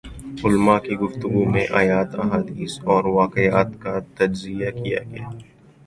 علماء کی گفتگو میں آیات ، احادیث اور واقعات کا تجزیہ کیا گیا